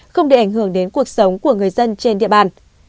không để ảnh hưởng đến cuộc sống của người dân trên địa bàn